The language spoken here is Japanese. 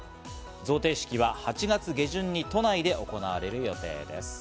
贈呈式は８月下旬に都内で行われる予定です。